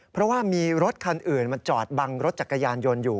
เพราะว่ามีรถคันอื่นมาจอดบังรถจักรยานยนต์อยู่